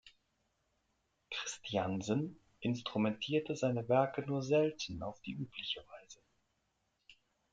Christiansen instrumentierte seine Werke nur selten auf die übliche Weise.